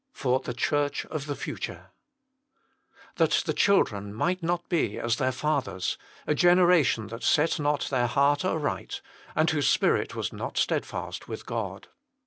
for the dljlirtlj of tlj* |FntK That the children might not be as their fathers, a genera tion that set not their heart aright, and whose spirit was not steadfast with God."